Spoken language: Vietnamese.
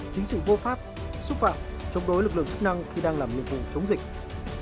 chính sự vô pháp xúc phạm chống đối lực lượng chức năng khi đang làm nhiệm vụ chống dịch